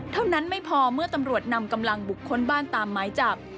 เท่านั้นไม่พอเมื่อตำรวจนำกำลังบุคคลบ้านตามหมายจับ